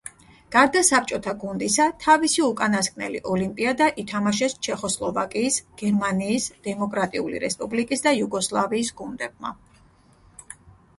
გარდა საბჭოთა გუნდისა, თავისი უკანასკნელი ოლიმპიადა ითამაშეს ჩეხოსლოვაკიის, გერმანიის დემოკრატიული რესპუბლიკის და იუგოსლავიის გუნდებმა.